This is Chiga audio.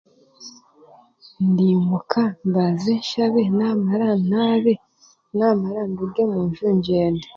Ndimuka mbanze nshabe, naamara naabe, naamara nduge omunju ngy'ende.